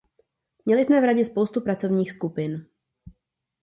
Měli jsme v Radě spoustu pracovních skupin.